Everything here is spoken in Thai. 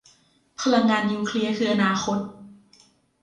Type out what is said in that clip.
พลังงานนิวเคลียร์คืออนาคต